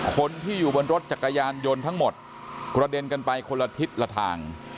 คนที่อยู่บนรถจักรยานยนต์ทั้งหมดกระเด็นกันไปคนละทิศละทาง